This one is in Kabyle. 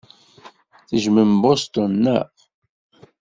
Tejjmem Boston, naɣ?